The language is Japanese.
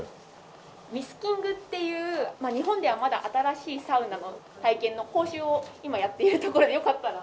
ウィスキングっていう日本ではまだ新しいサウナの体験の講習を今やっているところでよかったら。